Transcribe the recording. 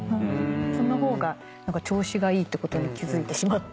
その方が調子がいいってことに気付いてしまって。